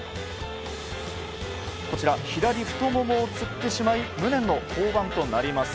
左太ももをつってしまい無念の降板となります。